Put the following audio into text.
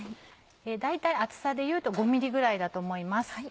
大体厚さでいうと５ｍｍぐらいだと思います。